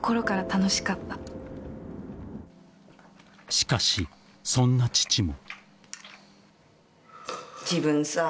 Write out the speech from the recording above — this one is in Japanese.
［しかしそんな父も］